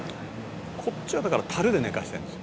「こっちはだから樽で寝かせてるんですよ」